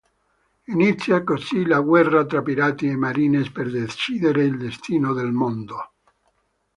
Inizia così la guerra tra pirati e marines per decidere il destino del mondo.